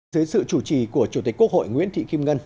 dưới sự chủ trì của chủ tịch quốc hội nguyễn thị kim ngân